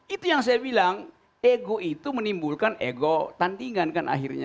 itu yang saya bilang ego itu menimbulkan ego tandingan kan akhirnya